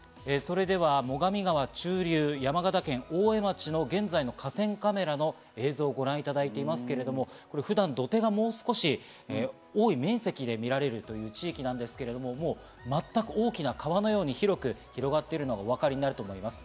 それでは最上川中流、山形県大江町の現在の河川カメラの映像をご覧いただいていますけれども、普段、土手がもう少し多い面積で見られるという地域なんですけれども、全く大きな川のように広がっているのがお分かりになると思います。